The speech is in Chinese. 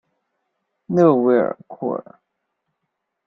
勒韦尔库尔。